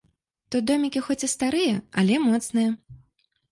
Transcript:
Тут домікі хоць і старыя, але моцныя.